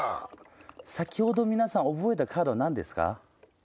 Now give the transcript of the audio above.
先ほど覚えたカードは何ですか？